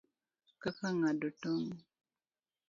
Kaka ng'ado tong',